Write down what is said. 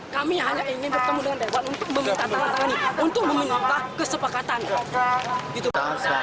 kami hanya ingin bertemu dengan depan untuk meminta tangan tangan ini untuk meminta kesepakatan